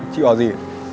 chị bảo gì